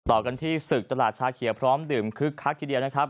ต่อกันที่ศึกตลาดชาเขียวพร้อมดื่มคึกคักทีเดียวนะครับ